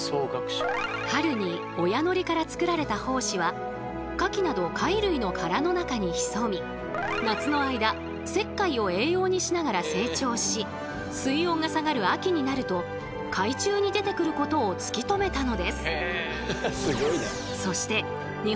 春に親海苔から作られた胞子は牡蠣など貝類の殻の中に潜み夏の間石灰を栄養にしながら成長し水温が下がる秋になると海中に出てくることを突き止めたのです。